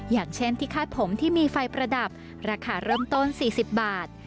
อย่างเช่นที่คาดผมที่มีไฟประดับราคาเริ่มต้น๔๐บาท